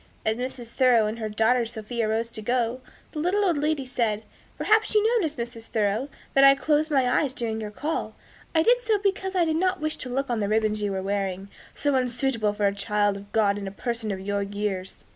As Mrs. Thoreau and her daughter Sophia rose to go, the little old lady said, "Perhaps you noticed, Mrs. Thoreau, that I closed my eyes during your call. I did so because I did not wish to look on the ribbons you are wearing, so unsuitable for a child of God and a person of your years."